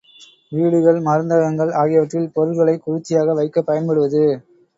வீடுகள், மருந்தகங்கள் ஆகியவற்றில் பொருள்களைக் குளிர்ச்சியாக வைக்கப் பயன்படுவது.